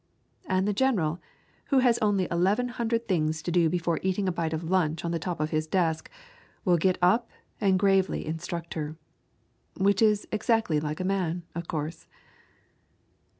And the general, who has only eleven hundred things to do before eating a bite of lunch on the top of his desk, will get up and gravely instruct her. Which is exactly like a man, of course.